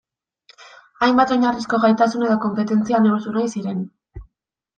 Hainbat oinarrizko gaitasun edo konpetentzia neurtu nahi ziren.